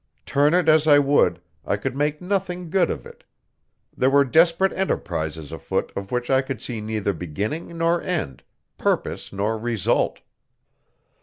Turn it as I would, I could make nothing good of it. There were desperate enterprises afoot of which I could see neither beginning nor end, purpose nor result.